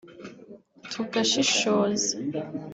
tugashishoza